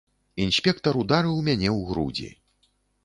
Інспектар ударыў мяне ў грудзі.